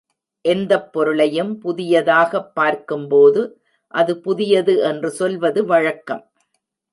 எந்தப் பொருளையும் புதியதாகப் பார்க்கும்போது அது புதியது என்று சொல்வது வழக்கம்.